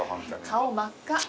顔真っ赤。